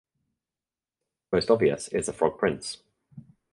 Most obvious is the Frog Prince.